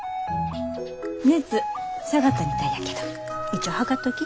熱下がったみたいやけど一応測っとき。